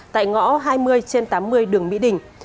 tại ngõ hai mươi trên tám mươi đường mỹ đình